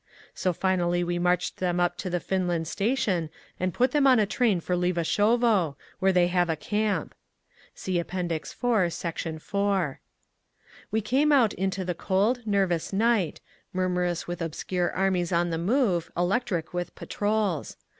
So finally we marched them up to the Finland Station and put them on a train for Levashovo, where they have a camp. (See App. IV, Sect. 4)…." We came out into the cold, nervous night, murmurous with obscure armies on the move, electric with patrols.